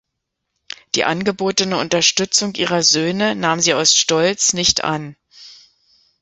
Die angebotene Unterstützung ihrer Söhne nahm sie aus Stolz nicht an.